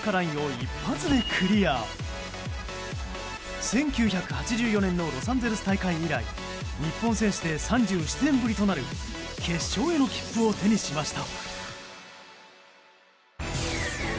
１９８４年のロサンゼルス大会以来日本選手で３７年ぶりとなる決勝への切符を手にしました。